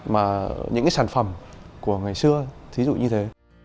và những cái sản phẩm của ngày xưa ví dụ như thế